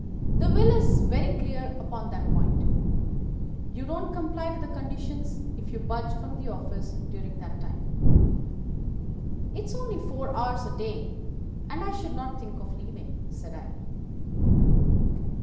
The will is very clear upon that point. You don't comply with the conditions if you budge from the office during that time.' "'It's only four hours a day, and I should not think of leaving,' said I.